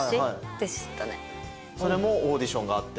それもオーディションがあって？